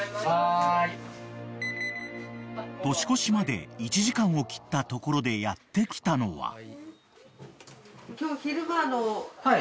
［年越しまで１時間を切ったところでやって来たのは］